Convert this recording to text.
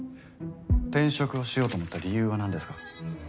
転職をしようと思った理由は何ですか？